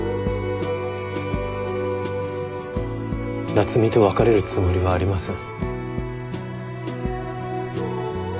夏海と別れるつもりはありません。